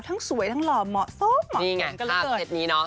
ทั้งสวยทั้งหลอมเหมาะส้มเหมาะหิงกันเลยเกิด